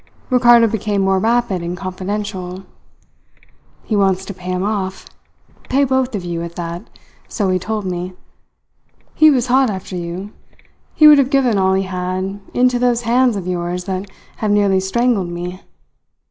Ricardo became more rapid and confidential: "He wants to pay him off pay both of you, at that; so he told me. He was hot after you. He would have given all he had into those hands of yours that have nearly strangled me.